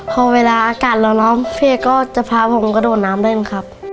พอเวลาอากาศเราร้อนพี่เอก็จะพาผมกระโดดน้ำเล่นครับ